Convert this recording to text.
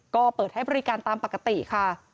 ก็เปิดให้บริการตามปกติค่ะ